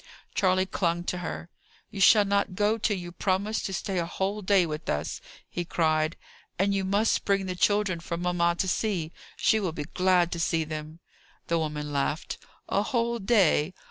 Charley clung to her. "You shall not go till you promise to stay a whole day with us!" he cried. "And you must bring the children for mamma to see. She will be glad to see them." The woman laughed. "A whole day!